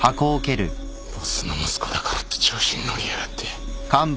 ボスの息子だからって調子に乗りやがって。